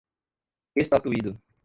estatuído